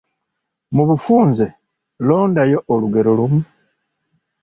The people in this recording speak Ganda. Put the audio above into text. Mu bufunze londayo olugero lumu.